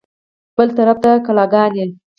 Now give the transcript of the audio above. بل طرف ته کلاګانې.